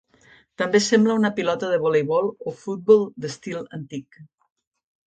També sembla una pilota de voleibol o futbol d'estil antic.